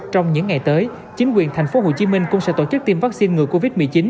trong những ngày tới chính quyền tp hcm cũng sẽ tổ chức tiêm vaccine ngừa covid một mươi chín